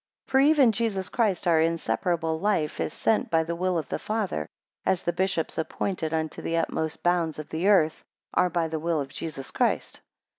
12 For even Jesus Christ, our inseparable life, is sent by the will of the Father; as the bishops, appointed unto the utmost bounds of the earth, are by the will of Jesus Christ.